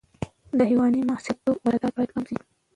د حیواني محصولاتو واردات باید کم شي.